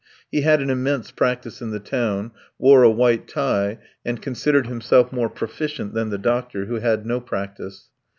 He had an immense practice in the town, wore a white tie, and considered himself more proficient than the doctor, who had no practice.